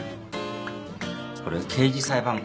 これ刑事裁判官